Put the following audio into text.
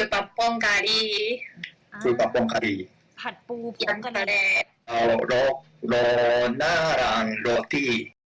สะอาเหมือนกับปลาป้งการี